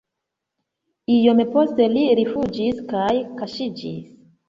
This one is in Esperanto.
Iom poste li rifuĝis kaj kaŝiĝis.